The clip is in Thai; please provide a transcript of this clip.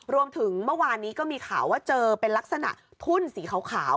รวมถึงเมื่อวานนี้ก็มีข่าวว่าเจอเป็นลักษณะทุ่นสีขาว